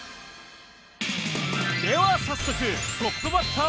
では早速トップバッターを紹介。